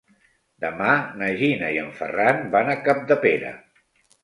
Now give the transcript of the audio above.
Demà na Gina i en Ferran van a Capdepera.